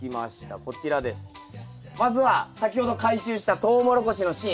まずは先ほど回収したトウモロコシの芯。